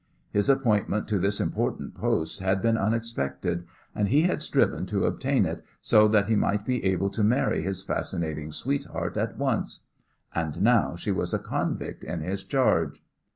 His appointment to this important post had been unexpected, and he had striven to obtain it so that he might be able to marry his fascinating sweetheart at once. And now she was a convict in his charge!